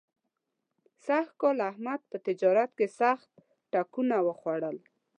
سږ کال احمد په تجارت کې سخت ټکونه وخوړل.